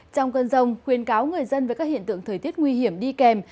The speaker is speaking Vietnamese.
trong cơn rông khuyên cáo người dân về các hiện tượng thời tiết nguy hiểm đi kèm